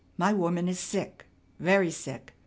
My woman is sick. Very sick.